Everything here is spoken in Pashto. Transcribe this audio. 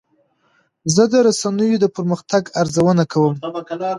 زه د رسنیو د پرمختګ ارزونه کوم.